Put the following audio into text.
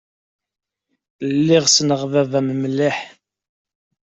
Lliɣ ssneɣ baba-m mliḥ.